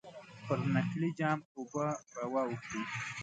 پر نکلي جام اوبه را واوښتې.